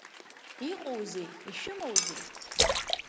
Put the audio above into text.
Иҟоузеи, ишәымоузеи?